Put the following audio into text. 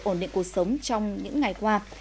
ổn định cuộc sống trong những ngày qua